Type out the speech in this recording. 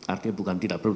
artinya bukan tidak perlu